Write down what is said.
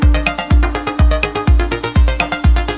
terima kasih pak